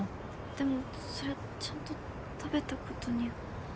でもそれちゃんと食べたことには。